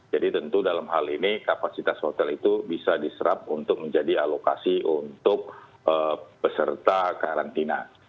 jadi tentu dalam hal ini kapasitas hotel itu bisa diserap untuk menjadi alokasi untuk peserta karantina